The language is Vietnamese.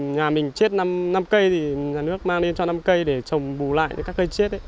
nhà mình chết năm cây thì nhà nước mang lên cho năm cây để trồng bù lại các cây chết